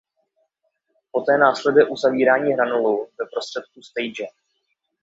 Poté následuje uzavírání hranolu ve prostředku stage.